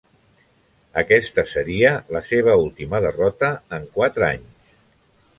Aquesta seria la seva última derrota en quatre anys.